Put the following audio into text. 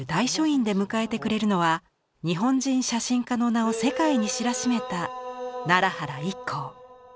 院で迎えてくれるのは日本人写真家の名を世界に知らしめた奈良原一高。